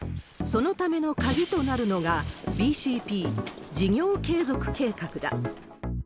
そのための鍵となるのが、ＢＣＰ・事業継続計画だ。